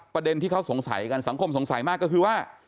ประเด็นที่เขาสงสัยกันสังคมสงสัยมากก็คือว่า